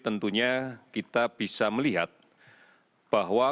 tentunya kita bisa melihat bahwa